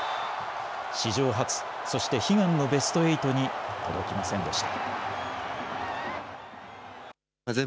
史上初、そして悲願のベスト８に届きませんでした。